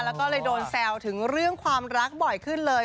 แล้วก็เลยโดนแซวถึงเรื่องความรักบ่อยขึ้นเลย